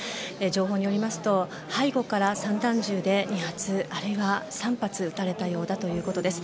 情報によりますと背後から散弾銃で２発あるいは３発撃たれたようだということです。